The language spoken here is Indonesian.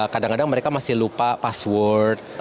kadang kadang mereka masih lupa password